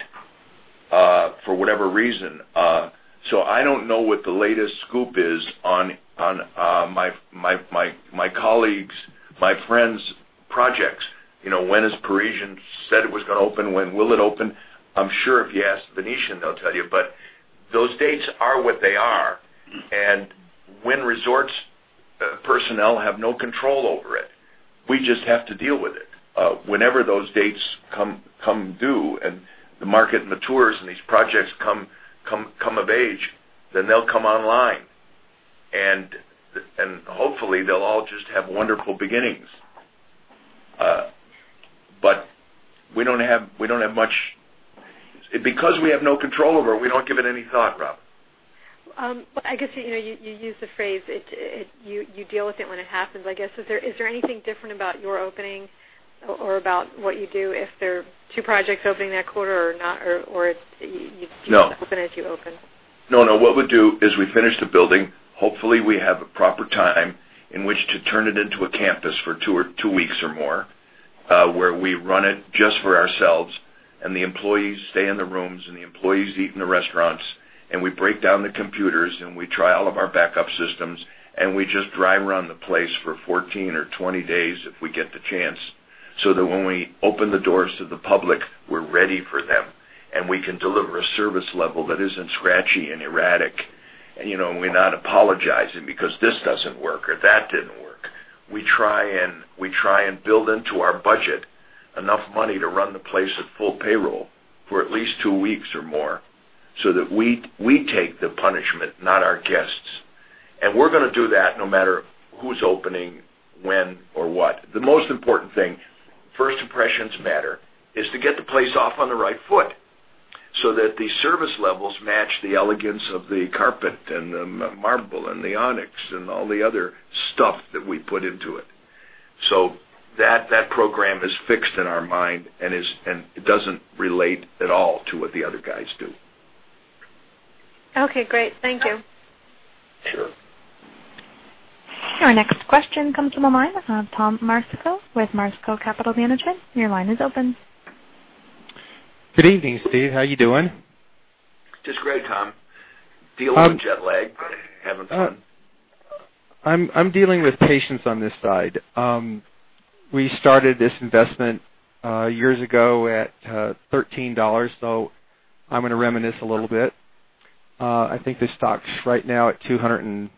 for whatever reason. I don't know what the latest scoop is on my colleagues, my friends projects. When is Parisian? It said it was going to open. When will it open? I'm sure if you ask Venetian, they'll tell you, those dates are what they are. Wynn Resorts' personnel have no control over it. We just have to deal with it. Whenever those dates come due, and the market matures, and these projects come of age, then they'll come online. Hopefully, they'll all just have wonderful beginnings. Because we have no control over it, we don't give it any thought, Rob. I guess, you use the phrase, you deal with it when it happens. I guess, is there anything different about your opening or about what you do if there are two projects opening that quarter or not, or you- No just open as you open? No, what we'll do is we finish the building. Hopefully, we have a proper time in which to turn it into a campus for two weeks or more, where we run it just for ourselves, and the employees stay in the rooms, and the employees eat in the restaurants, and we break down the computers, and we try all of our backup systems, and we just dry run the place for 14 or 20 days if we get the chance, so that when we open the doors to the public, we're ready for them, and we can deliver a service level that isn't scratchy and erratic. We're not apologizing because this doesn't work or that didn't work. We try and build into our budget enough money to run the place at full payroll for at least two weeks or more so that we take the punishment, not our guests. We're going to do that no matter who's opening, when, or what. The most important thing, first impressions matter, is to get the place off on the right foot so that the service levels match the elegance of the carpet and the marble and the onyx and all the other stuff that we put into it. That program is fixed in our mind, and it doesn't relate at all to what the other guys do. Okay, great. Thank you. Sure. Our next question comes from the line, Tom Marsico with Marsico Capital Management. Your line is open. Good evening, Steve. How are you doing? Just great, Tom. Dealing with jet lag, but having fun. I'm dealing with patience on this side. We started this investment years ago at $13, so I'm going to reminisce a little bit. I think the stock's right now at $211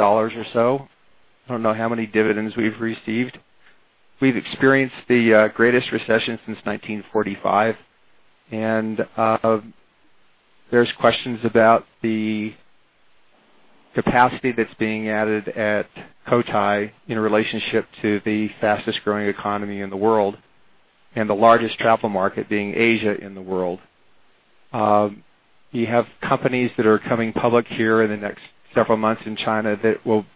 or so. I don't know how many dividends we've received. We've experienced the greatest recession since 1945. There's questions about the capacity that's being added at Cotai in relationship to the fastest-growing economy in the world and the largest travel market being Asia in the world. You have companies that are coming public here in the next several months in China that will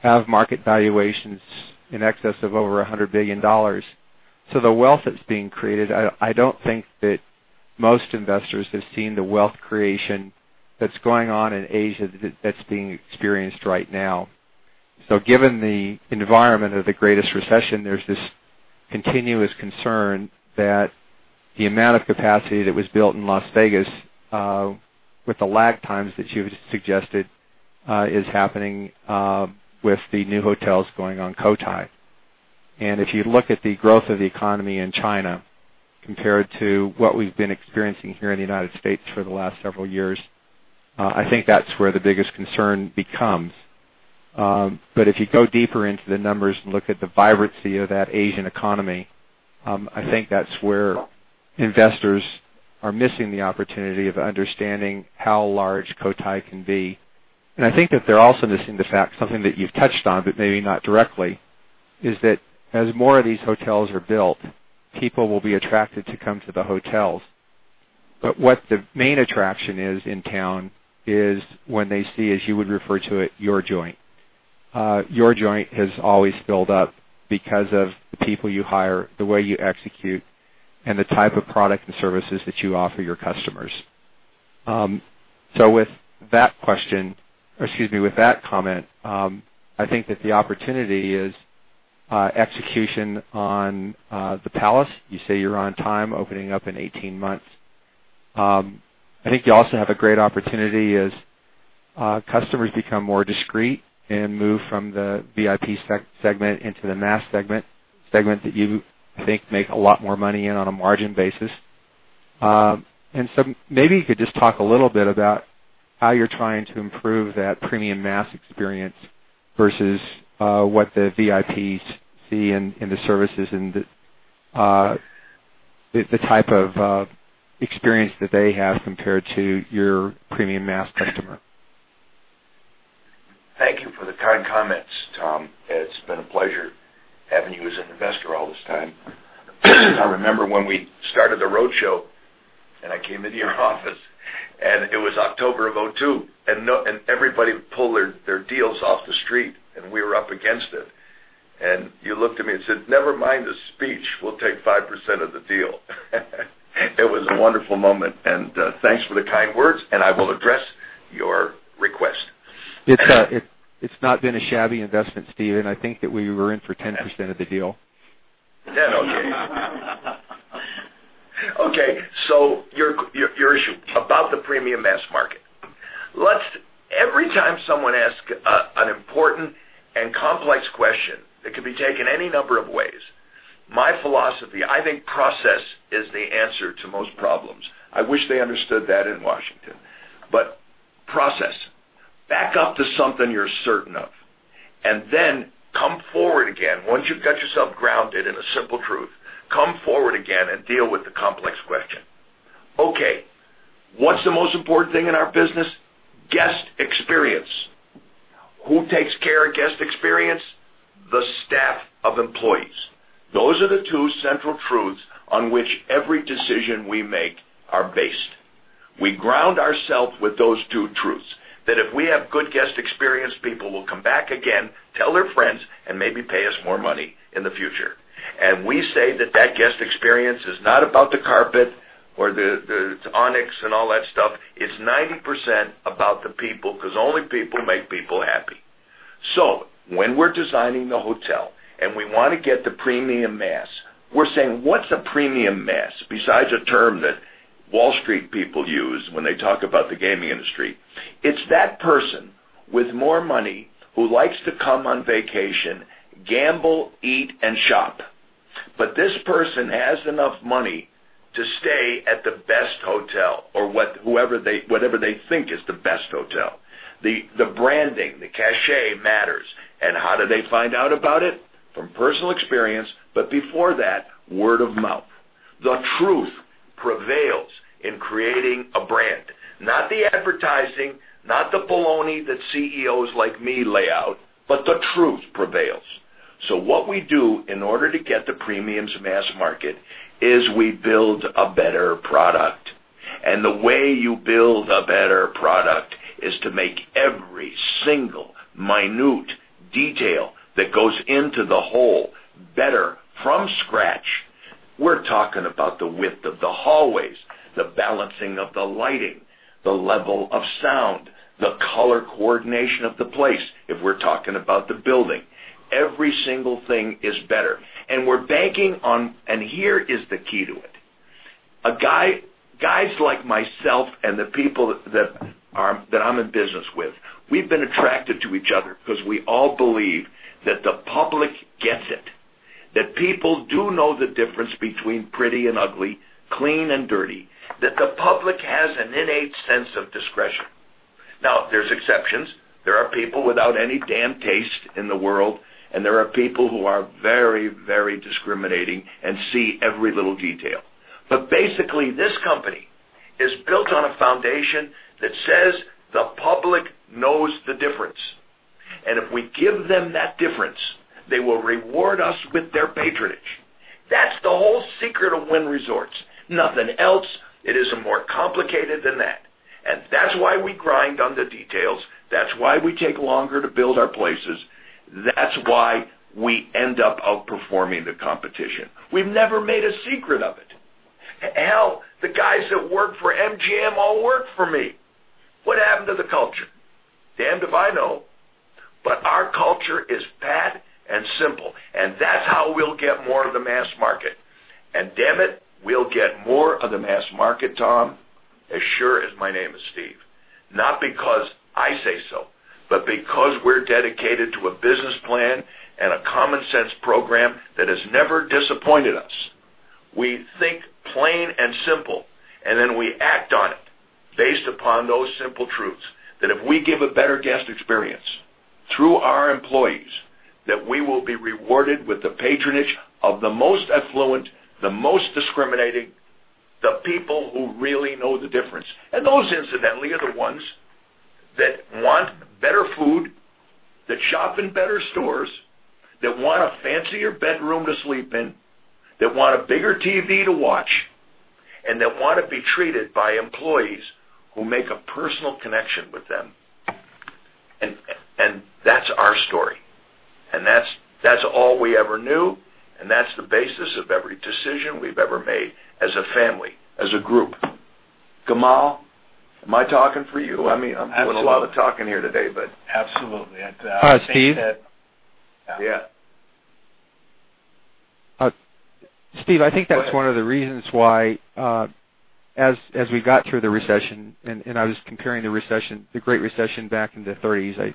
have market valuations in excess of over $100 billion. The wealth that's being created, I don't think that most investors have seen the wealth creation that's going on in Asia that's being experienced right now. Given the environment of the greatest recession, there's this continuous concern that the amount of capacity that was built in Las Vegas with the lag times that you've suggested is happening with the new hotels going on Cotai. If you look at the growth of the economy in China compared to what we've been experiencing here in the United States for the last several years, I think that's where the biggest concern becomes. If you go deeper into the numbers and look at the vibrancy of that Asian economy, I think that's where investors are missing the opportunity of understanding how large Cotai can be. I think that they're also missing the fact, something that you've touched on, but maybe not directly, is that as more of these hotels are built, people will be attracted to come to the hotels. What the main attraction is in town is when they see, as you would refer to it, your joint. Your joint has always filled up because of the people you hire, the way you execute, and the type of product and services that you offer your customers. With that question, or excuse me, with that comment, I think that the opportunity is execution on The Palace. You say you're on time, opening up in 18 months. I think you also have a great opportunity as customers become more discreet and move from the VIP segment into the mass segment, a segment that you think make a lot more money in on a margin basis. Maybe you could just talk a little bit about how you're trying to improve that premium mass experience versus what the VIPs see in the services and the type of experience that they have compared to your premium mass customer. Thank you for the kind comments, Tom. It's been a pleasure having you as an investor all this time. I remember when we started the roadshow, I came into your office, it was October of 2002, everybody pulled their deals off the street, and we were up against it. You looked at me and said, "Never mind the speech. We'll take 5% of the deal." It was a wonderful moment. Thanks for the kind words, and I will address your request. It's not been a shabby investment, Steve, I think that we were in for 10% of the deal. 10? Okay. Okay. Your issue about the premium mass market. Every time someone asks an important and complex question that could be taken any number of ways, my philosophy, I think process is the answer to most problems. I wish they understood that in Washington. Process. Back up to something you're certain of, then come forward again. Once you've got yourself grounded in a simple truth, come forward again and deal with the complex question. Okay. What's the most important thing in our business? Guest experience. Who takes care of guest experience? The staff of employees. Those are the two central truths on which every decision we make are based. We ground ourselves with those two truths, that if we have good guest experience, people will come back again, tell their friends, and maybe pay us more money in the future. We say that that guest experience is not about the carpet or the onyx and all that stuff. It's 90% about the people, because only people make people happy. When we're designing the hotel and we want to get the premium mass, we're saying, what's a premium mass, besides a term that Wall Street people use when they talk about the gaming industry? It's that person with more money who likes to come on vacation, gamble, eat, and shop. This person has enough money to stay at the best hotel or whatever they think is the best hotel. The branding, the cachet matters. How do they find out about it? From personal experience, but before that, word of mouth. The truth prevails in creating a brand, not the advertising, not the baloney that CEOs like me lay out, but the truth prevails. What we do in order to get the premium mass market is we build a better product. The way you build a better product is to make every single minute detail that goes into the whole better from scratch. We're talking about the width of the hallways, the balancing of the lighting, the level of sound, the color coordination of the place, if we're talking about the building. Every single thing is better. We're banking on, here is the key to it. Guys like myself and the people that I'm in business with, we've been attracted to each other because we all believe that the public gets it, that people do know the difference between pretty and ugly, clean and dirty, that the public has an innate sense of discretion. Now, there's exceptions. There are people without any damn taste in the world, and there are people who are very discriminating and see every little detail. Basically, this company is built on a foundation that says the public knows the difference. If we give them that difference, they will reward us with their patronage. That's the whole secret of Wynn Resorts. Nothing else. It isn't more complicated than that. That's why we grind on the details. That's why we take longer to build our places. That's why we end up outperforming the competition. We've never made a secret of it. Hell, the guys that work for MGM all work for me. What happened to the culture? Damned if I know. Our culture is bad and simple, and that's how we'll get more of the mass market. Damn it, we'll get more of the mass market, Tom, as sure as my name is Steve. Not because I say so, but because we're dedicated to a business plan and a common sense program that has never disappointed us. We think plain and simple, then we act on it based upon those simple truths, that if we give a better guest experience through our employees, that we will be rewarded with the patronage of the most affluent, the most discriminating, the people who really know the difference. Those, incidentally, are the ones that want better food, that shop in better stores, that want a fancier bedroom to sleep in, that want a bigger TV to watch, and that want to be treated by employees who make a personal connection with them. That's our story. That's all we ever knew, and that's the basis of every decision we've ever made as a family, as a group. Gamal, am I talking for you? I mean, I'm doing a lot of talking here today. Absolutely. Steve? Yeah. Steve, I think that's one of the reasons why, as we got through the recession, and I was comparing the Great Recession back in the 30s,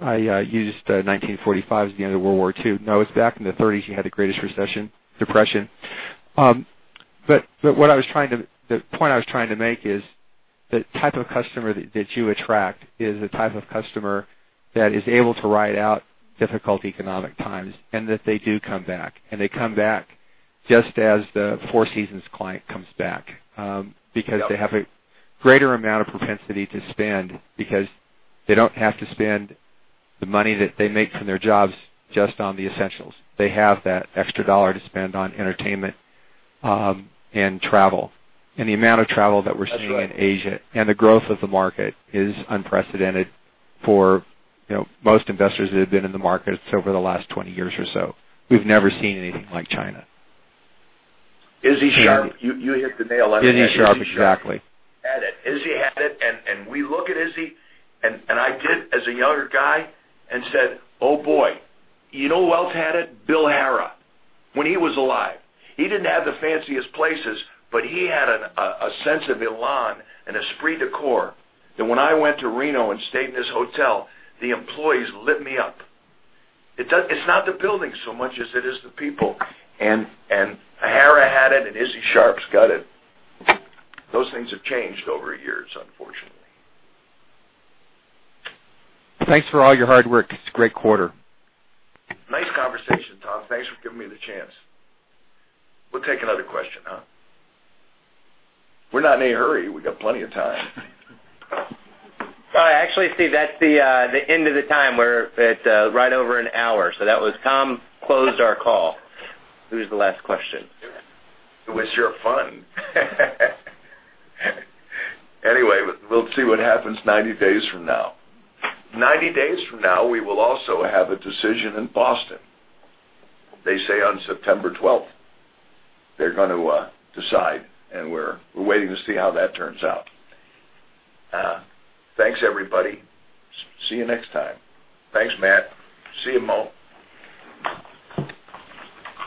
I used 1945 as the end of World War II. No, it's back in the 30s you had the greatest recession, depression. The point I was trying to make is the type of customer that you attract is the type of customer that is able to ride out difficult economic times, and that they do come back. They come back just as the Four Seasons client comes back, because they have a greater amount of propensity to spend because they don't have to spend the money that they make from their jobs just on the essentials. They have that extra dollar to spend on entertainment and travel. The amount of travel that we're seeing in Asia and the growth of the market is unprecedented for most investors that have been in the market over the last 20 years or so. We've never seen anything like China. Isadore Sharp, you hit the nail on the head. Isadore Sharp, exactly. Izzy had it. We look at Izzy, and I did as a younger guy and said, "Oh, boy, you know who else had it? Bill Harrah when he was alive." He didn't have the fanciest places, but he had a sense of elan and a esprit de corps that when I went to Reno and stayed in his hotel, the employees lit me up. It's not the building so much as it is the people. Harrah had it, and Isadore Sharp's got it. Those things have changed over years, unfortunately. Thanks for all your hard work. It's a great quarter. Nice conversation, Tom. Thanks for giving me the chance. We'll take another question, huh? We're not in any hurry. We got plenty of time. Actually, Steve, that's the end of the time. We're at right over an hour. That was Tom, closed our call. Who's the last question? It was sure fun. Anyway, we'll see what happens 90 days from now. 90 days from now, we will also have a decision in Boston. They say on September 12th they're going to decide, we're waiting to see how that turns out. Thanks, everybody. See you next time. Thanks, Matt. See you, Mo.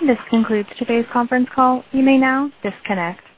This concludes today's conference call. You may now disconnect.